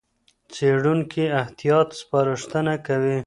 څېړونکي احتیاط سپارښتنه کوي.